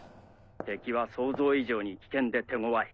敵は想像以上に危険で手ごわい。